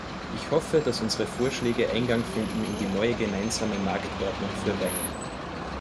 Ich hoffe, dass unsere Vorschläge Eingang finden in die neue Gemeinsame Marktordnung für Wein.